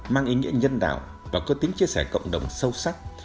mang ý nghĩa nhân đạo và cơ tính chia sẻ cộng đồng sâu sắc